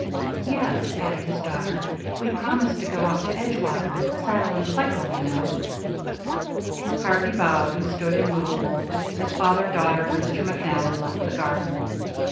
"Yes," added his daughter, "we promised to go out to Edgewater the Saddle and Cycle, you know." Harvey bowed and stood immovable, as father, daughter, and Mr. McNally left the garden.